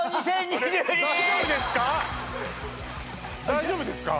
大丈夫ですか？